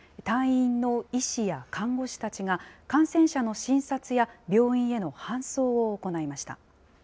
隊員の医師や看護師たちが、感染者の診察や病院への搬送を行いました。